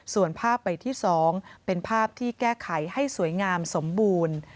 ส่วนภาพใบที่๒เป็นภาพที่แก้ไขให้สวยงามสมบูรณ์